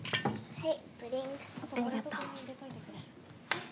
はい。